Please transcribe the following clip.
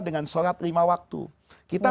dengan sholat lima waktu kita